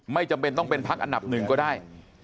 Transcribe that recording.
จำเป็นต้องเป็นพักอันดับหนึ่งก็ได้